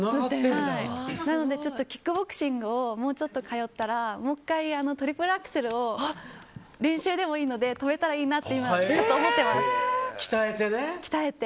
なのでキックボクシングをもうちょっと通ったらもう１回、トリプルアクセルを練習でもいいので跳べたらいいなと鍛えてね。